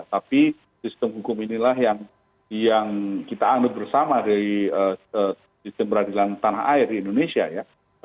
tapi sistem hukum inilah yang kita anut bersama dari sistem peradilan tanah air di indonesia ya